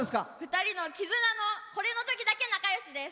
２人のこれのときだけ仲よしです。